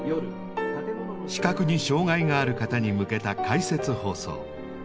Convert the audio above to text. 視覚に障害がある方に向けた「解説放送」。